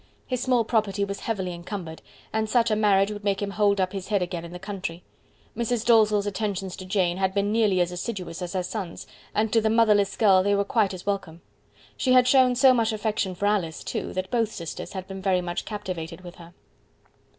His small property was heavily encumbered, and such a marriage would make him hold up his head again in the country. Mrs. Dalzell's attentions to Jane had been nearly as assiduous as her son's, and to the motherless girl they were quite as welcome; and she had shown so much affection for Alice, too, that both sisters had been very much captivated with her.